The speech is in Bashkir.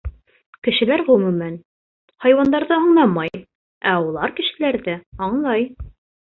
Кешеләр, ғөмүмән, хайуандарҙы аңламай, ә улар кешеләрҙе аңлай.